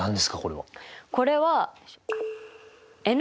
これは。